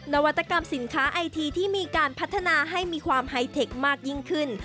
นวัตกรรมสินค้าไอทีที่มีการพัฒนาให้มีความไฮเทคมากยิ่งขึ้น